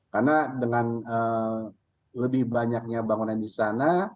karena dengan lebih banyaknya bangunan di sana